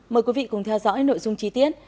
mời quý vị cùng theo dõi nội dung chi tiết